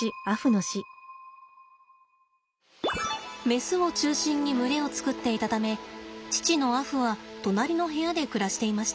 メスを中心に群れを作っていたため父のアフは隣の部屋で暮らしていました。